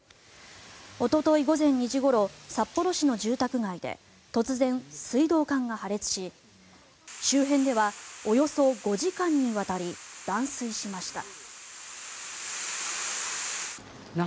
おととい午前２時ごろ札幌市の住宅街で突然、水道管が破裂し周辺ではおよそ５時間にわたり断水しました。